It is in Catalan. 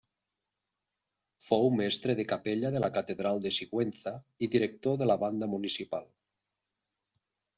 Fou mestre de capella de la catedral de Sigüenza i director de la banda municipal.